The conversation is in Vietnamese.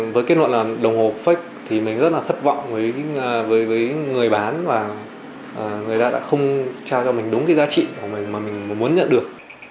với kết luận là đồng hồ thì mình rất là thất vọng với người bán và người ta đã không trao cho mình đúng cái giá trị của mình mà mình muốn nhận được